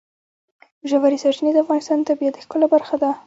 ژورې سرچینې د افغانستان د طبیعت د ښکلا برخه ده.